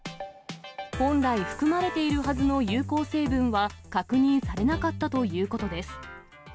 本来、含まれているはずの有効成分は確認されなかったということです。